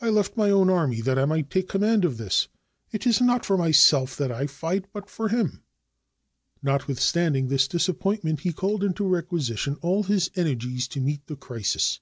I left my own army that I might take command of his. It is not for myself that I fight, but for him." Notwithstanding this disappointment, he called into requisition all his energies to meet the crisis.